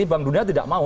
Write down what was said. bank dunia tidak mau